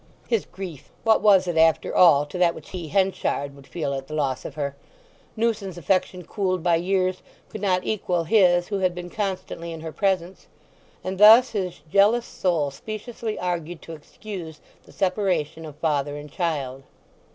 His grief!—what was it, after all, to that which he, Henchard, would feel at the loss of her? Newson's affection cooled by years, could not equal his who had been constantly in her presence. And thus his jealous soul speciously argued to excuse the separation of father and child.